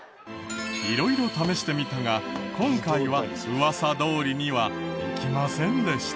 色々試してみたが今回はウワサどおりにはいきませんでした。